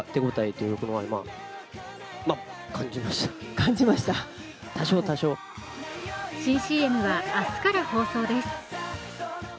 監督からは新ＣＭは明日から放送です。